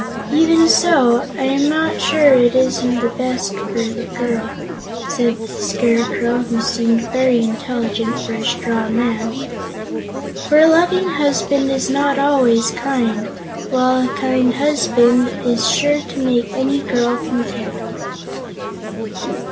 "Even so, I am not sure it isn't best for the girl," said the Scarecrow, who seemed very intelligent for a straw man, "for a loving husband is not always kind, while a kind husband is sure to make any girl content."